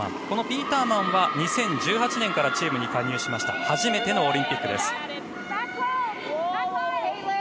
このピーターマンは２０１８年からチームに加入して初めてのオリンピックです。